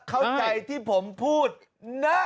เข้าใจที่ผมพูดนะ